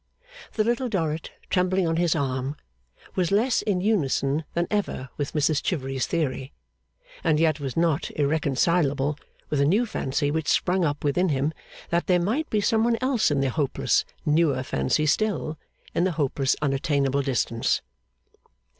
The Little Dorrit, trembling on his arm, was less in unison than ever with Mrs Chivery's theory, and yet was not irreconcilable with a new fancy which sprung up within him, that there might be some one else in the hopeless newer fancy still in the hopeless unattainable distance.